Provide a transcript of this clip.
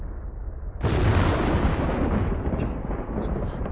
あっ。